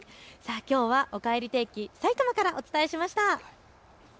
きょうはおかえり天気、さいたまからお伝えしました。